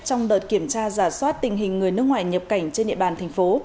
trong đợt kiểm tra giả soát tình hình người nước ngoài nhập cảnh trên địa bàn thành phố